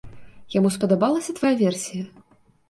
Яму спадабалася твая версія?